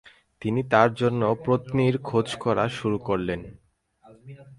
তিনি তার জন্য পত্নীর খোঁজ করা শুরু করলেন।